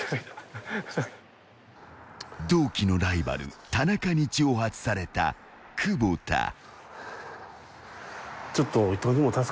［同期のライバル田中に挑発された久保田］